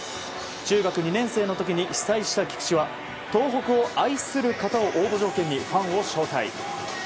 中学２年生の時に被災した菊池は東北を愛する方を応募条件にファンを招待。